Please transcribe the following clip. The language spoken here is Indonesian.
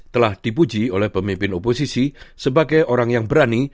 telah dipuji oleh pemimpin oposisi sebagai orang yang berani